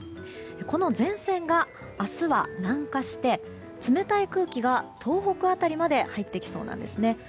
この前線が明日は南下して冷たい空気が東北辺りまで入ってきそうなんですね。